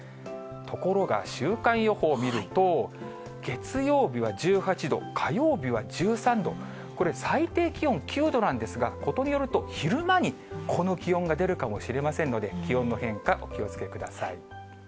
ところが、週間予報を見ると、月曜日は１８度、火曜日は１３度、これ、最低気温９度なんですが、ことによると昼間にこの気温が出るかもしれませんので、気温の変化、お気をつけください。